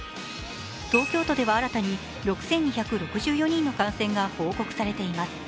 東京都では新たに６２６４人の感染が報告されています。